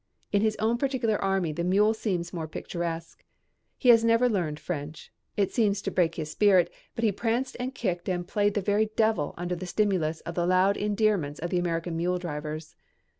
In his own particular army the mule seems more picturesque. He has never learned French. It seems to break his spirit, but he pranced and kicked and played the very devil under the stimulus of the loud endearments of the American mule drivers.